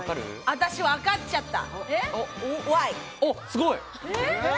私、わかっちゃった。